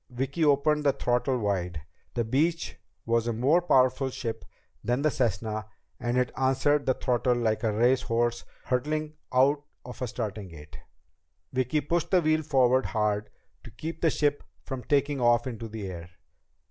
Vicki opened the throttle wide. The Beech was a more powerful ship than the Cessna and it answered the throttle like a race horse hurtling out of a starting gate. Vicki pushed the wheel forward hard to keep the ship from taking off into the air.